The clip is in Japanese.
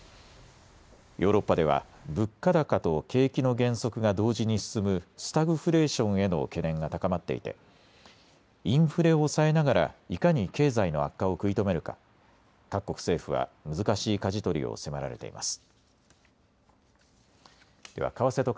ヨーロッパでは物価高と景気の減速が同時に進むスタグフレーションへの懸念が高まっていてインフレを抑えながらいかに経済の悪化を食い止めるか各国政府は難しいかじ取りを迫られています。